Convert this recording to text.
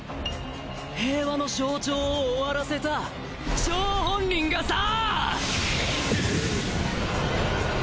平和の象徴を終わらせた張本人がさァ！！